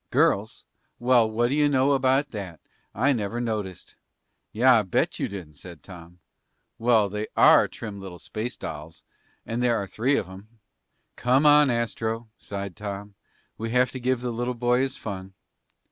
"Girls? Well, what do you know about that? I never noticed!" "Yeah, I'll bet you didn't!" said Tom. "Well, they are trim little space dolls. And there are three of them!" "Come on, Astro," sighed Tom. "We have to give the little boy his fun."